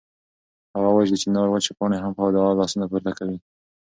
هغه وایي چې د چنار وچې پاڼې هم په دعا لاسونه پورته کوي.